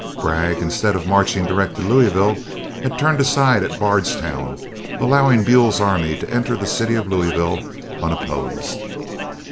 Bragg, instead of marching direct to Louisville, had turned aside to Bardstown, allowing Buell's army to enter the city of Louisville unopposed.